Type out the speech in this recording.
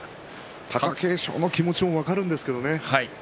貴景勝の気持ちも分かるんですけどね。